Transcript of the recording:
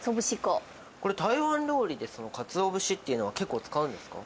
これ、台湾料理でそのかつお節っていうのは、結構使うんですか？